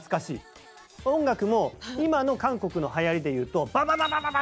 音楽も今の韓国の流行りでいうとババババババ